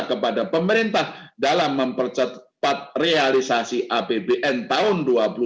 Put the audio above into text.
kepada pemerintah dalam mempercepat realisasi apbn tahun dua ribu dua puluh